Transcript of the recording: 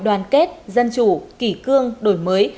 đoàn kết dân chủ kỷ cương đổi mới